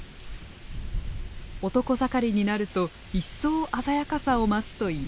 男盛りになると一層鮮やかさを増すといいます。